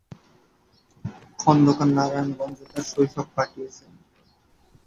খন্দকার নারায়ণগঞ্জে তার শৈশব কাটিয়েছেন।